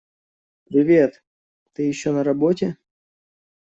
Привет! Ты ещё на работе?